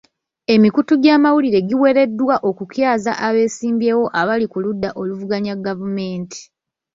Emikutu gy'amawulire giwereddwa okukyaza abeesimbyewo abali ku ludda oluvuganya gavumenti.